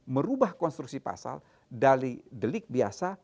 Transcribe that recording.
merubah konstruksi pasal dari delik biasa